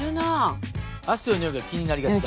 「汗のにおいが気になりがちだ」。